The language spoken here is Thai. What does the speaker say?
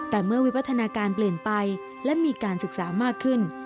แต่เมื่อวิวัฒนาการเปลี่ยนไปและมีการศึกษามากขึ้น